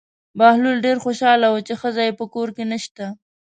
بهلول ډېر خوشحاله و چې ښځه یې په کور کې نشته.